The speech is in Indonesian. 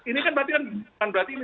nah ini kan berarti